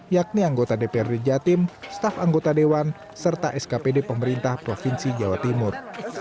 yakni anggota dprd jatim staf anggota dewan serta skpd pemerintah provinsi jawa timur